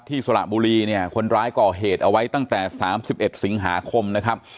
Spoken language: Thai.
สระบุรีเนี่ยคนร้ายก่อเหตุเอาไว้ตั้งแต่๓๑สิงหาคมนะครับ